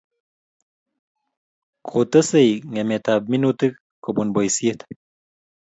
Kotesei ngemetab minutik kobun boisiet